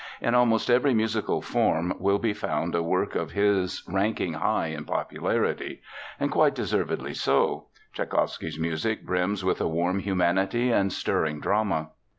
In almost every musical form will be found a work of his ranking high in popularity. And quite deservedly so. Tschaikowsky's music brims with a warm humanity and stirring drama.